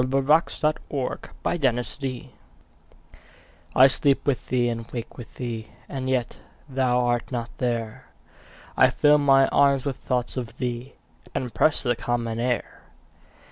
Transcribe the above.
John Clare To Mary I SLEEP with thee, and wake with thee, And yet thou art not there; I fill my arms with thoughts of thee, And press the common air.